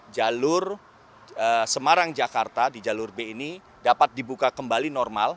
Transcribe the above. jalur semarang jakarta di jalur b ini dapat dibuka kembali normal